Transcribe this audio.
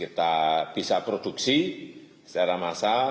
kita bisa produksi secara massal